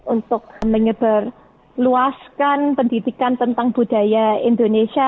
untuk menyeberluaskan pendidikan tentang budaya indonesia